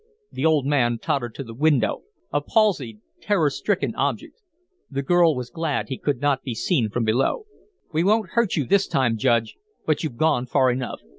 The old man tottered to the window, a palsied, terror stricken object. The girl was glad he could not be seen from below. "We won't hurt you this time, Judge, but you've gone far enough.